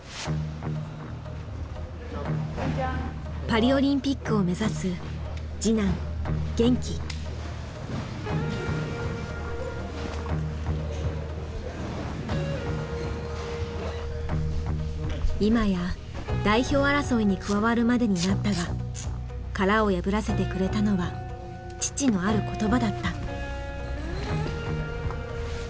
パリ・オリンピックを目指す次男今や代表争いに加わるまでになったが殻を破らせてくれたのは父のある言葉だった。